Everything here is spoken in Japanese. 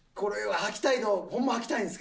はきたいん？